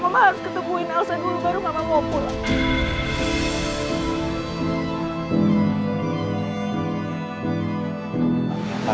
mama harus ketemuin elsa dulu baru mama mau pulang